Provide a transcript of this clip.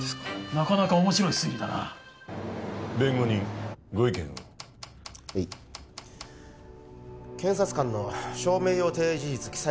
なかなか面白い推理だな弁護人ご意見をはい検察官の証明予定事実記載